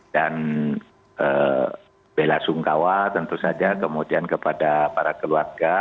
dan bela sungkawa tentu saja kemudian kepada para keluarga